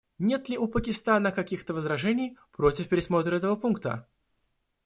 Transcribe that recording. Нет ли у Пакистана каких-то возражений против пересмотра этого пункта?